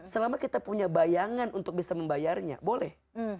selama kita punya bayangan untuk bisa membayarnya boleh